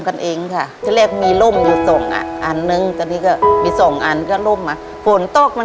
ทับผลไม้เยอะเห็นยายบ่นบอกว่าเป็นยังไงครับ